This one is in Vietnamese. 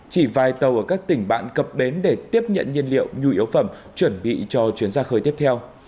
chỉ vài tàu ở các tỉnh bạn cập bến để tiếp nhận nhiên liệu nhu yếu phẩm chuẩn bị cho chuyến ra khơi tiếp theo